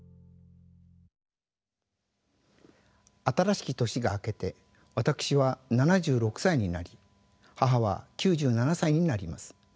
新しき年が明けて私は７６歳になり母は９７歳になります。